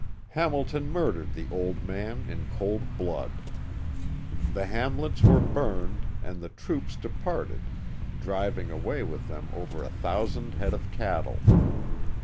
Hamilton murdered the old man in cold blood. The hamlets were burned and the troops departed driving away with them over a thousand head of cattle.